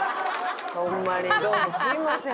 ホンマにどうもすいません。